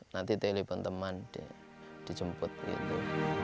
nanti telepon teman dijemput gitu